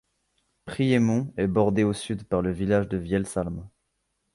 Priesmont est bordé au sud par le village de Vielsalm.